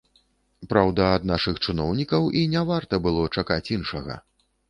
Праўда, ад нашых чыноўнікаў і не варта было чакаць іншага.